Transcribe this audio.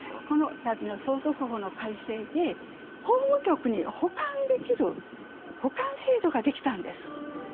このたびの相続法の改正で法務局に保管できる保管制度ができたんです。